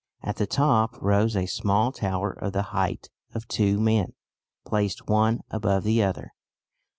At the top rose a small tower of the height of two men placed one above the other.